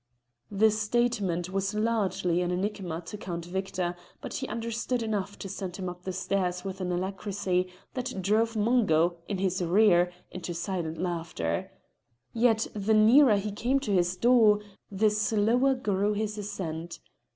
The statement was largely an enigma to Count Victor, but he understood enough to send him up the stairs with an alacrity that drove Mungo, in his rear, into silent laughter. Yet the nearer he came to his door the slower grew his ascent.